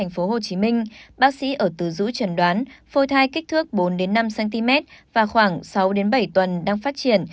bệnh viện trà vinh tp hcm bác sĩ ở từ dũ trần đoán phôi thai kích thước bốn năm cm và khoảng sáu bảy tuần đang phát triển